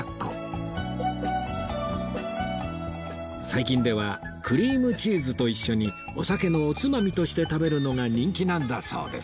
最近ではクリームチーズと一緒にお酒のおつまみとして食べるのが人気なんだそうですよ